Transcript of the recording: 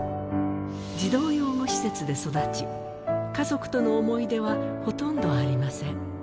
児童養護施設で育ち、家族との思い出はほとんどありません。